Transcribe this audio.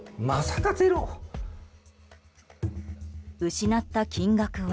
失った金額は。